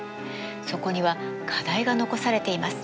そこには課題が残されています。